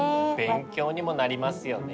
勉強にもなりますよね。